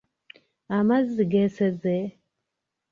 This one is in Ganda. Amazzi geeseze?